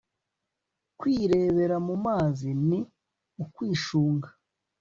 kwirebera mumazi ni ukwishunga